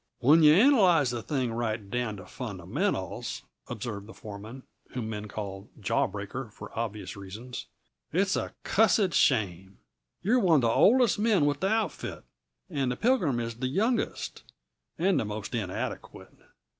"When you analyze the thing right down to fundamentals," observed the foreman, whom men called "Jawbreaker" for obvious reasons, "it's a cussed shame. You're one of the oldest men with the outfit, and the Pilgrim is the youngest and the most inadequate.